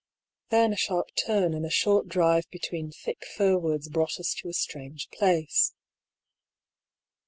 Then a sharp turn and a short drive between thick firwoods brought us to a strange place.